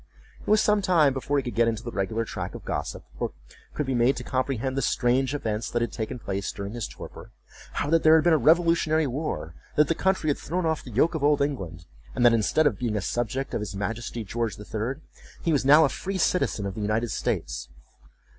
It was some time before he could get into the regular track of gossip, or could be made to comprehend the strange events that had taken place during his torpor. How that there had been a revolutionary war—that the country had thrown off the yoke of old England—and that, instead of being a subject of his Majesty George the Third, he was now a free citizen of the United States.